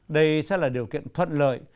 đây sẽ là điều kiện thuận lợi